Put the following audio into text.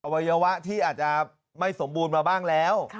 วัยวะที่อาจจะไม่สมบูรณ์มาบ้างแล้ว